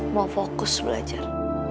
mau fokus belajar